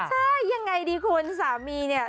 ใช่ยังไงดีคุณสามีเนี่ย